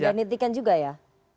tidak dihentikan juga ya